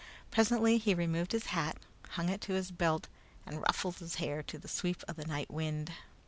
Presently he removed his hat, hung it to his belt, and ruffled his hair to the sweep of the night wind.